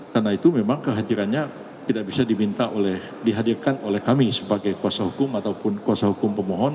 karena itu memang kehadirannya tidak bisa dihadirkan oleh kami sebagai kuasa hukum ataupun kuasa hukum pemohon